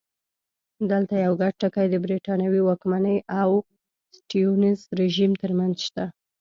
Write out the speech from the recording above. دلته یو ګډ ټکی د برېټانوي واکمنۍ او سټیونز رژیم ترمنځ شته.